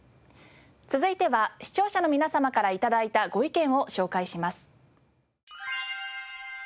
続いては視聴者の皆様から頂いたご意見を紹介します。